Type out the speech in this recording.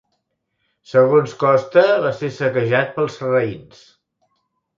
Segons costa, va ser saquejat pels sarraïns.